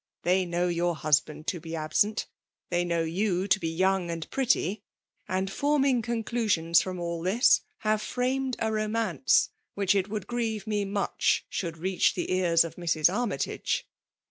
They know your hus band to be absent, — ^th^ know you to bf young and pretty ^^^and formUig oondui^ons from all this, have framed a romance wlOfeh it #(Mdd grieve ine mndh AoxAa reach the cars' of Mrs. Armytage.'